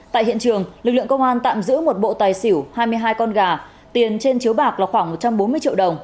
tại hiện trường lực lượng công an tạm giữ một bộ tài xỉu hai mươi hai con gà tiền trên chiếu bạc là khoảng một trăm bốn mươi triệu đồng